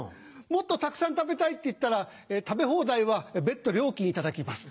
もっとたくさん食べたいって言ったら食べ放題は別途料金頂きます。